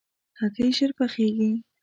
هګۍ ژر پخېږي.